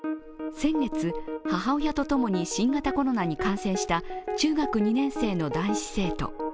先月、母親と共に新型コロナに感染した、中学２年生の男子生徒。